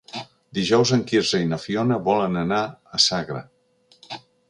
Dijous en Quirze i na Fiona volen anar a Sagra.